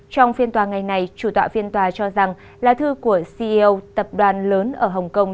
trong phiên tòa ngày này chủ tọa phiên tòa cho rằng lá thư của ceo tập đoàn lớn ở hồng kông